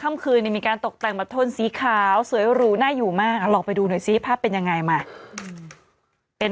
ไม่มีเลขมันเลยแล้วคุณแล้วโมคุณซื้ออะไร